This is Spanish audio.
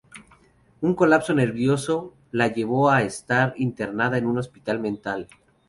Un colapso nervioso la llevó a estar internada en un hospital mental.